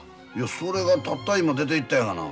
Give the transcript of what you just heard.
それがたった今出ていったんやがな。